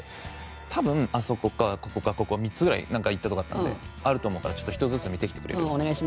多分あそこかここかここ３つぐらい行ったとこあったんであると思うからちょっと１つずつ見てきてくれる？っつって。